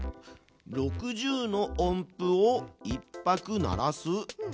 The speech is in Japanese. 「６０の音符を１拍鳴らす」？